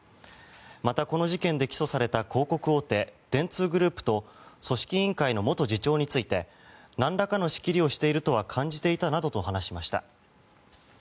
また、この事件で起訴された広告大手、電通グループと組織委員会の元次長についてなんらかの仕切りをしているとは感じていたなどと話しました。